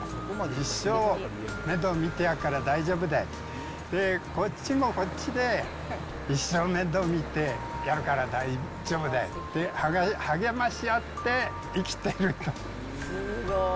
一生面倒見てやるから大丈夫だよ、で、こっちもこっちで、一生面倒見てやるから大丈夫だよって、励まし合って生きてると。